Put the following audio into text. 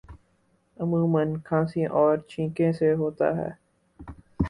عموماً کھانسی اور چھینکنے سے ہوتا ہے